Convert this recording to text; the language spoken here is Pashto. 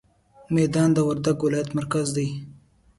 ميدان د وردګ ولايت مرکز دی.